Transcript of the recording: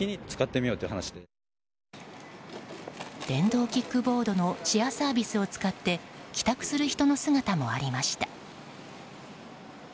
電動キックボードのシェアサービスを使って帰宅する人の姿もありました。